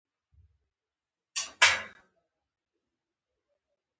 واټن اوږد او مزل ستومانوونکی دی